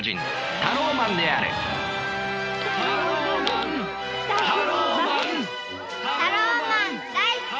タローマン大好き！